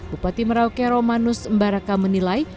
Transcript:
bupati merauke romanus mbaraka menilai